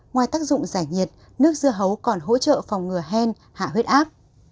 ngoài tác dụng giải nhiệt nước dưa hấu còn hỗ trợ phòng ngừa hen hạ huyết áp